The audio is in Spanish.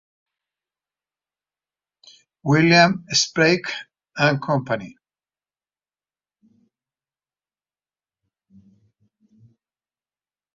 William Sprague, Co.